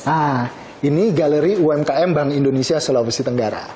nah ini galeri umkm bank indonesia sulawesi tenggara